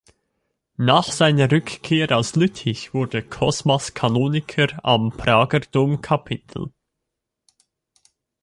Nach seiner Rückkehr aus Lüttich wurde Cosmas Kanoniker am Prager Domkapitel.